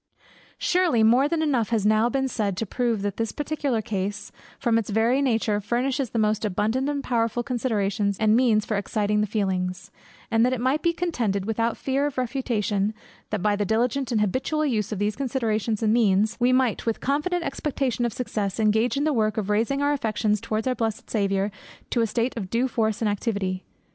Surely more than enough has been now said to prove that this particular case, from its very nature, furnishes the most abundant and powerful considerations and means for exciting the feelings; and it might be contended, without fear of refutation, that by the diligent and habitual use of those considerations and means, we might with confident expectation of success, engage in the work of raising our affections towards our blessed Saviour to a state of due force and activity.